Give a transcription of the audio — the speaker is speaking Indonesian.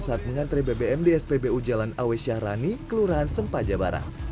saat mengantre bbm di spbu jalan awe syahrani kelurahan sempaja barat